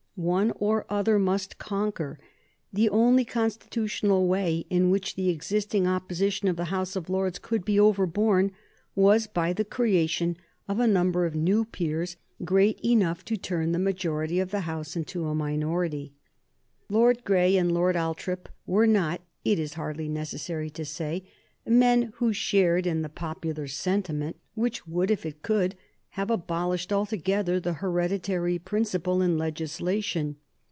One or other must conquer. The only constitutional way in which the existing opposition of the House of Lords could be overborne was by the creation of a number of new peers great enough to turn the majority of the House of Lords into a minority. Lord Grey and Lord Althorp were not, it is hardly necessary to say, men who shared in the popular sentiment, which would, if it could, have abolished altogether the hereditary principle in legislation.